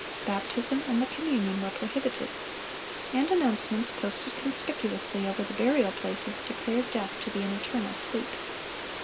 Baptism and the communion were prohibited. And announcements posted conspicuously over the burial places declared death to be an eternal sleep.